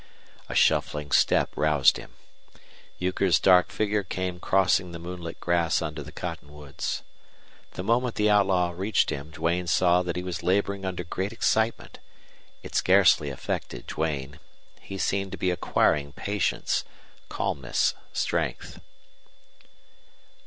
A shuffling step roused him. Euchre's dark figure came crossing the moonlit grass under the cottonwoods. The moment the outlaw reached him Duane saw that he was laboring under great excitement. It scarcely affected Duane. He seemed to be acquiring patience, calmness, strength.